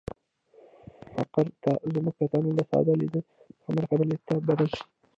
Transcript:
فقر ته زموږ کتنه له ساده لید څخه مرکب لید ته بدله شي.